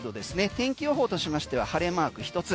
天気予報としましては晴れマーク１つ。